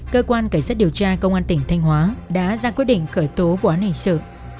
cơ quan cảnh sát điều tra công an tỉnh thanh hóa đã ra quyết định khởi tố vụ án hình sự